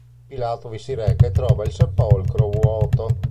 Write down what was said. Pilato vi si reca e trova il sepolcro vuoto.